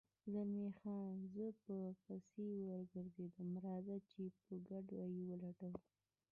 زلمی خان: زه به پسې وګرځم، راځه چې په ګډه یې ولټوو.